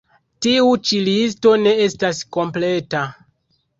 Tiu ĉi listo ne estas kompleta.